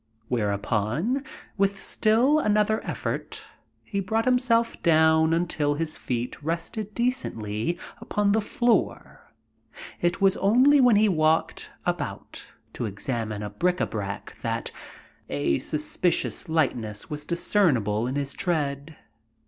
Whereupon, with still another effort, he brought himself down until his feet rested decently upon the floor. It was only when he walked about to examine the bric à brac that a suspicious lightness was discernible in his tread.